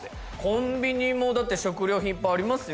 コンビニもだって食料品いっぱいありますよ？